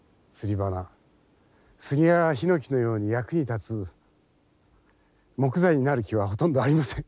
スギやヒノキのように役に立つ木材になる木はほとんどありません。